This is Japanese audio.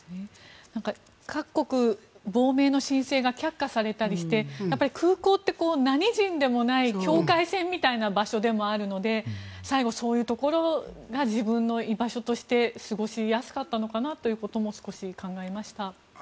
各国、亡命の申請が却下されたりして空港って何人でもない境界線みたいな場所でもあるので最後、そういうところが自分の居場所として過ごしやすかったのかなということも少し考えました。